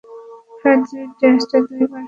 প্রথম দুই টেস্টে দুইবার সর্বোচ্চ রান তুলেন।